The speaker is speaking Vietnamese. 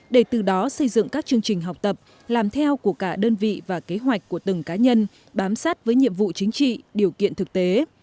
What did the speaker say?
để từ đó xây dựng các chương trình học tập làm theo của cả đơn vị và kế hoạch của từng cá nhân bám sát với nhiệm vụ chính trị điều kiện thực tế